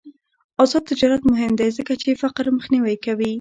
آزاد تجارت مهم دی ځکه چې فقر مخنیوی کوي.